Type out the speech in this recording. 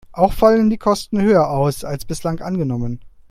Auch fallen die Kosten höher aus, als bislang angenommen.